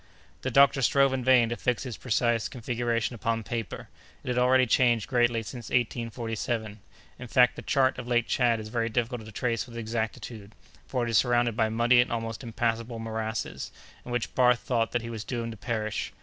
The doctor strove in vain to fix its precise configuration upon paper. It had already changed greatly since 1847. In fact, the chart of Lake Tchad is very difficult to trace with exactitude, for it is surrounded by muddy and almost impassable morasses, in which Barth thought that he was doomed to perish.